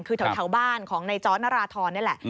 คือแถวบ้านของในจอร์ดนราธรนี่แหละ